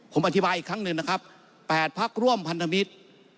ผมอธิบายอีกครั้งหนึ่งนะครับ๘พักร่วมพันธมิตร